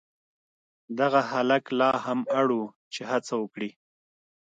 دغه هلک لا هم اړ و چې هڅه وکړي.